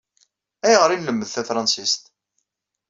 Ayɣer i nlemmed tafransist?